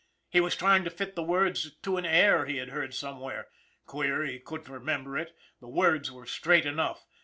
He was trying to fit the words to an air he had heard somewhere. Queer he couldn't remember it, the words were straight enough!